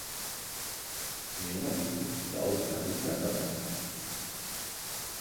Viena bite daudz medus nesanes.